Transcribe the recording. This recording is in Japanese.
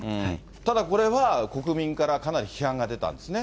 ただこれは国民からかなり批判が出たんですね。